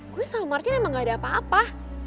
gue sama martin emang gak ada apa apa